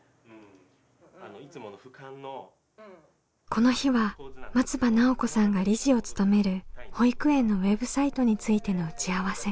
この日は松場奈緒子さんが理事を務める保育園のウェブサイトについての打ち合わせ。